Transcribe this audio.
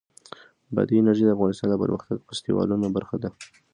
بادي انرژي د افغانستان د فرهنګي فستیوالونو برخه ده.